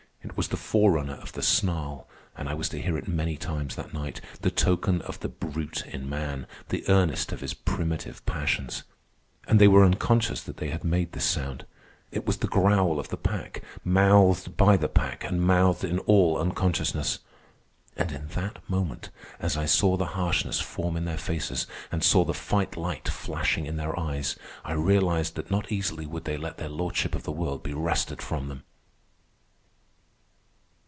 It was the forerunner of the snarl, and I was to hear it many times that night—the token of the brute in man, the earnest of his primitive passions. And they were unconscious that they had made this sound. It was the growl of the pack, mouthed by the pack, and mouthed in all unconsciousness. And in that moment, as I saw the harshness form in their faces and saw the fight light flashing in their eyes, I realized that not easily would they let their lordship of the world be wrested from them.